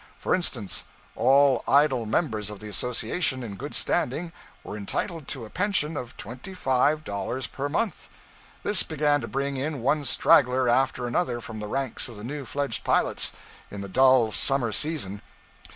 For instance, all idle members of the association, in good standing, were entitled to a pension of twenty five dollars per month. This began to bring in one straggler after another from the ranks of the new fledged pilots, in the dull (summer) season.